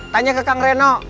tanya ke kang reno